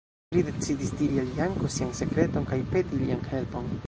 Li decidis diri al Janko sian sekreton kaj peti lian helpon.